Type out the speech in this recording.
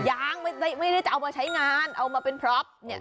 ยังไม่ได้เอามาใช้งานเอามาเปรียบ